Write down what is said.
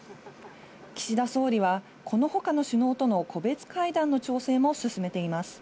岸田総理はこの他の首脳との個別会談の調整も進めています。